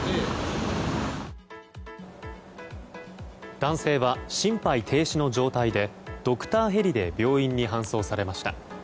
男性は心肺停止の状態でドクターヘリで病院に搬送されました。